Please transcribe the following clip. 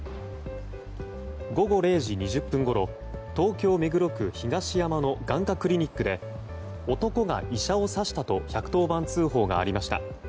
午後０時２０分ごろ東京・目黒区東山の眼科クリニックで男が医者を刺したと１１０番通報がありました。